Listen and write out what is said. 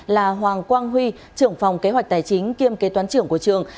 là hoàng quang huy trưởng phòng kế hoạch tài chính kiêm kế toán trưởng của trường